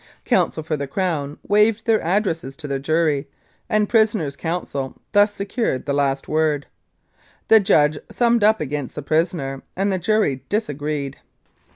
Counsel for the Crown waived their address to the jury, and the prisoner's counsel thus secured the last word. The judge summed up against the prisoner, and the jury disagreed.